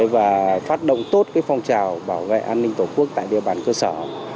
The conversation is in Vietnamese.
và phát động tốt phong trào bảo vệ an ninh tổ quốc tại địa bàn cơ sở